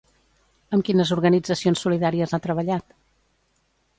Amb quines organitzacions solidàries ha treballat?